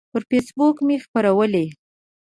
پر فیسبوک مې خپرولی